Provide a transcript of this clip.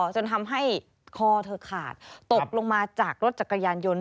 จนทำให้คอเธอขาดตกลงมาจากรถจักรยานยนต์